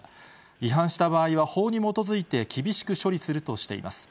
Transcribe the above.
違反した場合は、法に基づいて厳しく処理するとしています。